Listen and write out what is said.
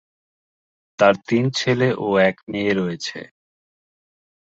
তার তিন ছেলে ও এক মেয়ে রয়েছে।